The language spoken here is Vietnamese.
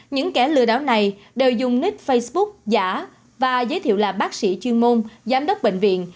những kẻ lừa đảo này đều dùng nick facebook giả và giới thiệu là bác sĩ chuyên môn giám đốc bệnh viện